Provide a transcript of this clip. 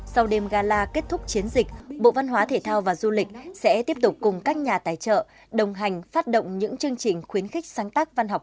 sau đêm gala kết thúc chiến dịch bộ văn hóa thể thao và du lịch sẽ tiếp tục cùng các nhà tài trợ đồng hành phát động những chương trình khuyến khích sáng tác văn học